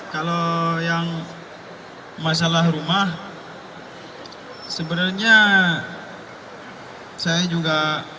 kalau yang masalah rumah sebenarnya saya juga